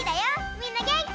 みんなげんき？